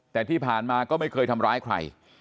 แต่ที่ผ่านมาก็ไม่เคยทำร้ายใคร